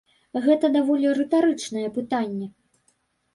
Гэта даволі рытарычнае пытанне.